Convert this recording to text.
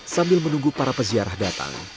sambil menunggu para peziarah datang